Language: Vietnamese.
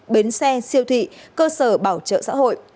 bến xe siêu thị cơ sở bảo trợ xã hội